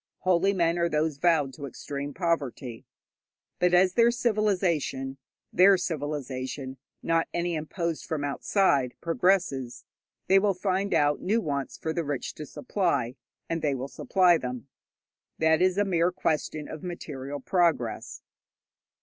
Holy men are those vowed to extreme poverty. But as their civilization (their civilization, not any imposed from outside) progresses, they will find out new wants for the rich to supply, and they will supply them. That is a mere question of material progress.